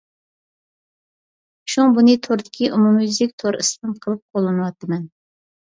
شۇڭا بۇنى توردىكى ئومۇميۈزلۈك تور ئىسمىم قىلىپ قوللىنىۋاتىمەن.